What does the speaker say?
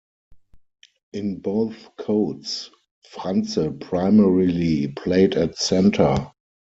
In both codes, Franze primarily played at centre.